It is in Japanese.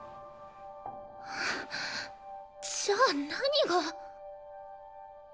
じゃあ何が。